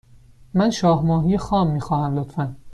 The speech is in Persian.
من شاه ماهی خام می خواهم، لطفا.